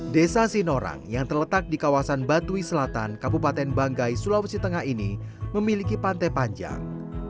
desa sinorang yang terletak di kawasan batui selatan kabupaten banggai sulawesi tengah ini memiliki pantai panjang